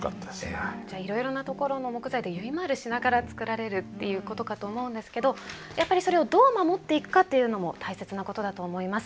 じゃあいろいろなところの木材でゆいまーるしながら作られるっていうことかと思うんですけどやっぱりそれをどう守っていくかっていうのも大切なことだと思います。